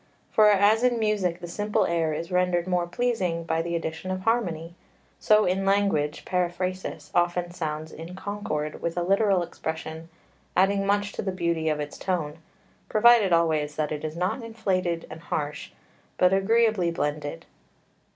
For, as in music the simple air is rendered more pleasing by the addition of harmony, so in language periphrasis often sounds in concord with a literal expression, adding much to the beauty of its tone, provided always that it is not inflated and harsh, but agreeably blended.